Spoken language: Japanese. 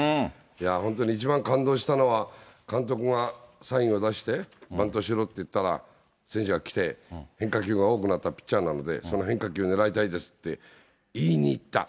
本当に一番感動したのは、監督が、サインを出して、バントしろって言ったら、選手が来て、変化球が多くなったピッチャーなので、その変化球ねらいたいですって、言いに行った。